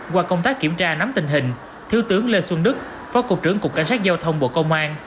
qua công tác kiểm tra nắm tình hình thiếu tướng lê xuân đức phó cục trưởng cục cảnh sát giao thông bộ công an